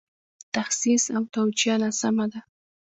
تخصیص او توجیه ناسمه ده.